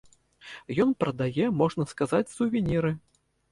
Ён прадае, можна сказаць, сувеніры.